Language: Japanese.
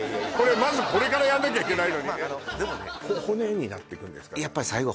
まずこれからやんなきゃいけないのに骨になっていくんですか？